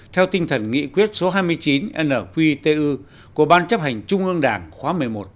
theo tinh thần nghị quyết số hai mươi chín nqtu của ban chấp hành trung ương đảng khóa một mươi một